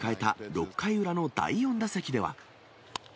６回裏の第４打席では。